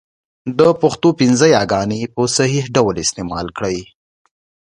د پښتو پنځه یاګاني ی، ي، ې، ۍ، ئ په صحيح ډول استعمال کړئ!